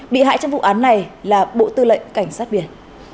bị hại trong vụ án này là bộ tư lệnh cảnh sát biển